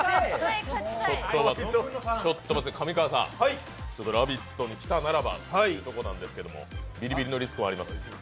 上川さん、「ラヴィット！」に来たならばということなんですけどもビリビリのリスクはあります。